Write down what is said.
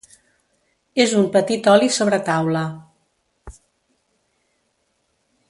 És un petit oli sobre taula.